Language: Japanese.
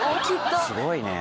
すごいね。